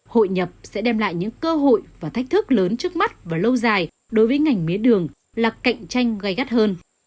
hội nhập sẽ đem lại những cơ hội và thách thức lớn trước mắt và lâu dài đối với ngành mía đường là cạnh tranh gây gắt hơn